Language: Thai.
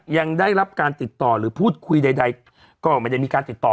ยังได้รับการติดต่อหรือพูดคุยใดก็ไม่ได้มีการติดต่อ